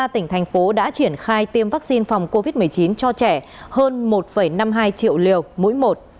sáu mươi ba tỉnh thành phố đã triển khai tiêm vaccine phòng covid một mươi chín cho trẻ hơn một năm mươi hai triệu liều mũi một